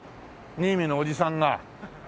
ニイミのおじさんが。